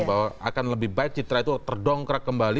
bahwa akan lebih baik citra itu terdongkrak kembali